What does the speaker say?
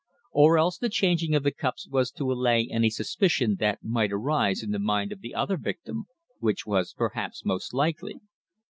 Or else the changing of the cups was to allay any suspicion that might arise in the mind of the other victim, which was perhaps most likely.